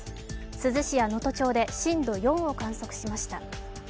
珠洲市や能登町で震度４を観測しました。